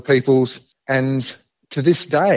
dan sampai hari ini kita berjuang